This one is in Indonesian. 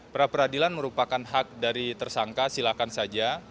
pra peradilan merupakan hak dari tersangka silakan saja